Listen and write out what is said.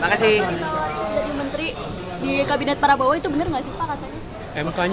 jadi menteri di kabinet parabawa itu bener gak sih pak katanya